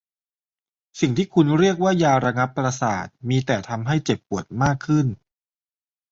สิ่งที่คุณเรียกว่ายาระงับประสาทมีแต่ทำให้เจ็บปวดมากขึ้น